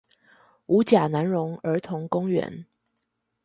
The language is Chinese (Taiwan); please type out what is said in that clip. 五甲南榮兒童公園